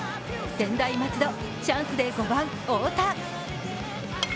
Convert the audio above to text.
専大松戸、チャンスで５番・太田。